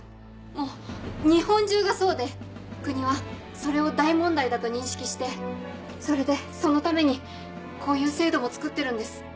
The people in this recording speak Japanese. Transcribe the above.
もう日本中がそうで国はそれを大問題だと認識してそれでそのためにこういう制度も作ってるんです。